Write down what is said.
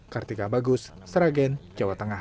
kartika bagus sragen jawa tengah